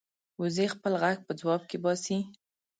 وزې خپل غږ په ځواب کې باسي